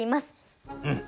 うん。